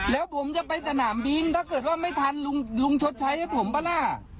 แล้วผมจะไปสนามบินถ้าเกิดว่าไม่ทันลุงชดใช้ให้ผมป่ะล่ะ